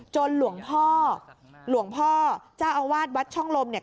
หลวงพ่อหลวงพ่อเจ้าอาวาสวัดช่องลมเนี่ย